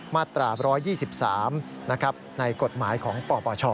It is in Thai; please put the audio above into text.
มาตราบ๑๒๓นะครับในกฎหมายของปปช